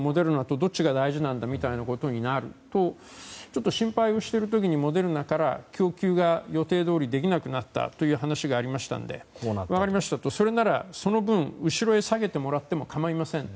どっちが大事だということになるとちょっと心配をしている時にモデルナから予定どおりできなくなったという話がありましたので分かりましたとそれならその分後ろに下げてもらっても構いませんと。